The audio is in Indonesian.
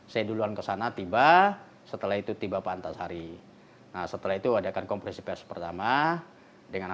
saya duluan kesana tiba setelah itu tiba pak antasari nah setelah itu adakan kompresi pers pertama dengan